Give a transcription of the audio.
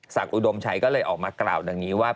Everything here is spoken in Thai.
อุดมชัยก็เลยออกมากล่าวดังนี้ว่า